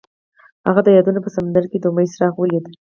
هغه د یادونه په سمندر کې د امید څراغ ولید.